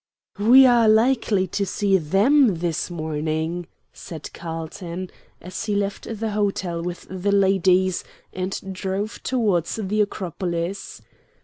"We are likely to see THEM this morning," said Carlton, as he left the hotel with the ladies and drove towards the Acropolis.